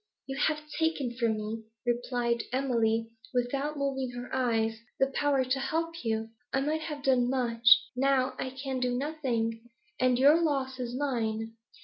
'You have taken from me,' replied Emily, without moving her eyes, 'the power to help you. I might have done much, now I can do nothing; and your loss is mine.'